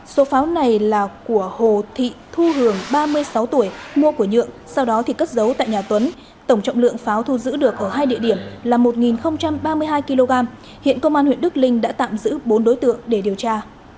số pháo này là của hồ thị thu hường ba mươi sáu tuổi mua của nhượng sau đó thì cất giấu tại nhà tuấn tổng trọng lượng pháo thu giữ được ở hai địa điểm là một ba mươi hai kg hiện công an huyện đức linh đã tạm giữ bốn đối tượng để điều tra